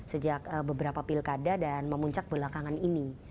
sejak beberapa pilkada dan memuncak belakangan ini